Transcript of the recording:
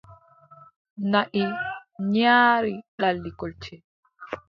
Naʼi nyaari ɗali kolce.